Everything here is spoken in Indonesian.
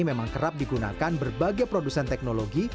cara ini memang kerap digunakan berbagai produsen teknologi